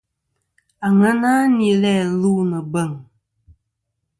Àŋena nɨ̀n læ lu nɨ̀ bèŋ.